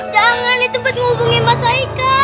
jangan itu buat hubungin mas aika